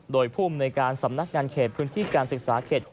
โดยผู้อำนวยการสำนักงานเขตพื้นที่การศึกษาเขต๖